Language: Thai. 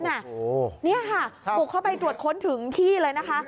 นี่ค่ะบุกเข้าไปตรวจค้นถึงที่เลยนะคะ